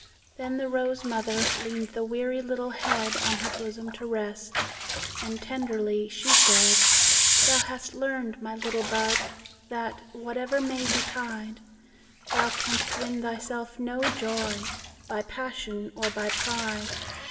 Then the rose mother leaned the weary little head On her bosom to rest, and tenderly she said: "Thou hast learned, my little bud, that, whatever may betide, Thou canst win thyself no joy by passion or by pride.